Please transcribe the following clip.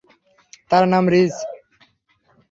তার নাম রিজ।